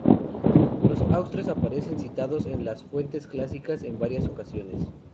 Los astures aparecen citados en las fuentes clásicas en varias ocasiones.